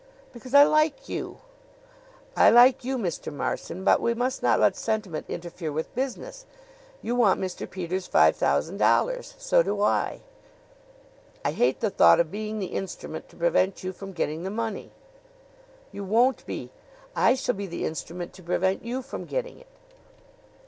"Because I like you." "I like you, Mr. Marson; but we must not let sentiment interfere with business. You want Mr. Peters' five thousand dollars. So do I." "I hate the thought of being the instrument to prevent you from getting the money." "You won't be. I shall be the instrument to prevent you from getting it.